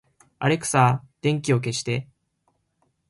アレクサ、電気を消して